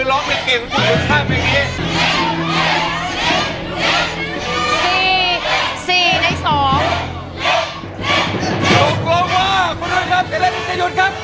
เล่นกันเลย